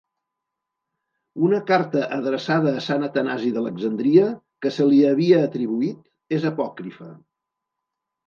Una carta adreçada a Sant Atanasi d'Alexandria que se li havia atribuït és apòcrifa.